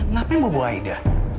ngapain mau bawa aida